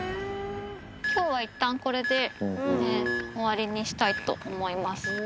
きょうはいったん、これで終わりにしたいと思います。